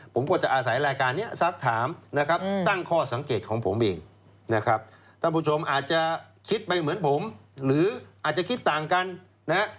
ผมก็จะอาศัยรายการนี้สักถามนะครับตั้งข้อสังเกตของผมเองนะครับท่านผู้ชมอาจจะคิดไปเหมือนผมหรืออาจจะคิดต่างกันนะฮะ